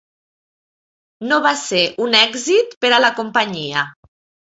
No va ser un èxit per a la companyia.